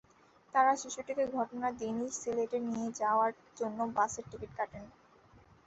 তাঁরা শিশুটিকে ঘটনার দিনই সিলেটে নিয়ে যাওয়ার জন্য বাসের টিকিট কাটেন।